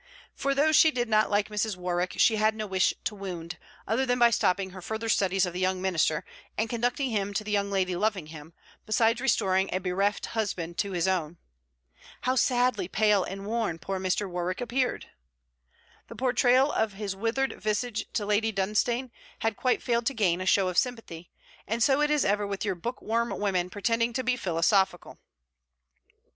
For though she did not like Mrs. Warwick, she had no wish to wound, other than by stopping her further studies of the Young Minister, and conducting him to the young lady loving him, besides restoring a bereft husband to his own. How sadly pale and worn poor Mr. Warwick appeared? The portrayal of his withered visage to Lady Dunstane had quite failed to gain a show of sympathy. And so it is ever with your book worm women pretending to be philosophical!